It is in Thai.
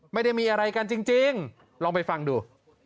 ไม่ได้มีอะไรกันจริงลองไปฟังดู